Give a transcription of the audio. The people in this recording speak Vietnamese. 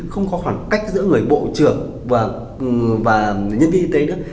không có khoảng cách giữa người bộ trưởng và nhân viên y tế nữa